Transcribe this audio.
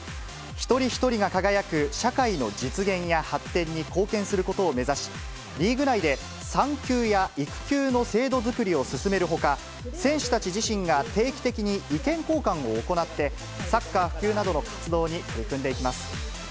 一人一人が輝く社会の実現や発展に貢献することを目指し、リーグ内で産休や育休の制度作りを進めるほか、選手たち自身が定期的に意見交換を行って、サッカー普及などの活動に取り組んでいきます。